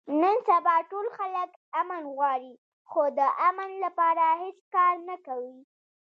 نن سبا ټول خلک امن غواړي، خو د امن لپاره هېڅ کار نه کوي.